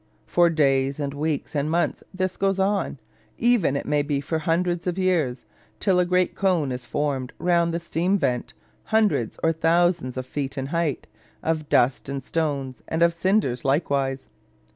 For days, and weeks, and months this goes on; even it may be for hundreds of years: till a great cone is formed round the steam vent, hundreds or thousands of feet in height, of dust and stones, and of cinders likewise.